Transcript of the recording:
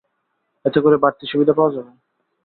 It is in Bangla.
এতে করে বাড়তি সুবিধা পাওয়া যাবে!